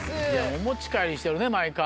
お持ち帰りしてるね毎回。